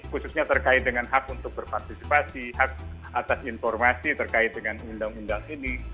khususnya terkait dengan hak untuk berpartisipasi hak atas informasi terkait dengan undang undang ini